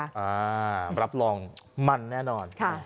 อ่ารับรองมันแน่นอน